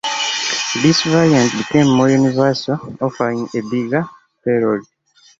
This variant became more universal, offering a bigger payload.